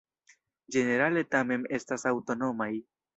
Ĝenerale tamen estas aŭtonomaj.